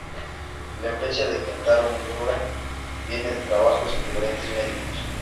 La influencia de Kentaro Miura viene de trabajos en diferentes medios.